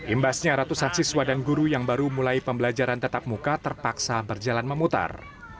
imbasnya ratusan siswa dan guru yang baru mulai pembelajaran tetap muka terpaksa berjalan memutar